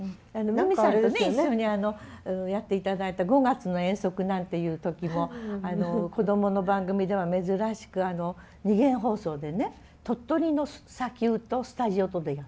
美巳さんとね一緒にやって頂いた「５月の遠足」なんていう時もこどもの番組では珍しく二元放送でね鳥取の砂丘とスタジオとでやったのね。